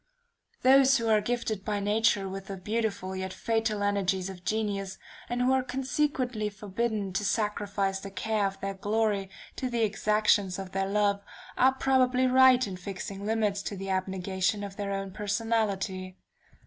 Those who are gifted by nature with the beautiful, yet fatal energies of genius, and who are consequently forbidden to sacrifice the care of their glory to the exactions of their love, are probably right in fixing limits to the abnegation of their own personality.